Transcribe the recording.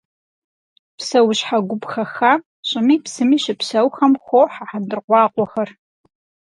Псэущхьэ гуп хэхам, щӏыми псыми щыпсэухэм, хохьэ хьэндыркъуакъуэхэр.